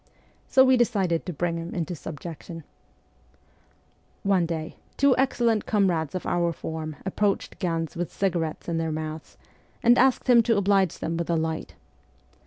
So we decided to bring him into subjection. One day, two excellent comrades of our form THE CORPS OF PAGES 107 approached Ganz with cigarettes in their mouths, and asked him to oblige them with a light.